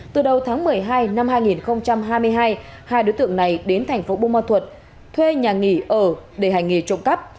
từ đầu tháng một mươi hai năm hai nghìn hai mươi hai hai đối tượng này đến thành phố bô ma thuật thuê nhà nghỉ ở để hành nghề trộm cắp